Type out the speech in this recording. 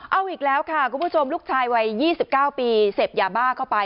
เอาอีกแล้วค่ะคุณผู้ชมลูกชายวัย๒๙ปีเสพยาบ้าเข้าไป